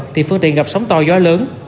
thì phương tiện gặp sóng to gió lớn